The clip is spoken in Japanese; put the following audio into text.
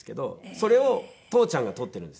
それを父ちゃんが撮ってるんですよ。